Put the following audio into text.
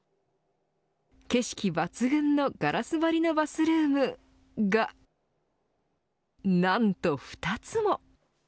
景色抜群のガラス張りのバスルームが何と２つも。